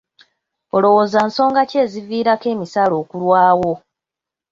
Olowooza nsonga ki eziviirako emisaala okulwawo.